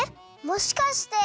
もしかして。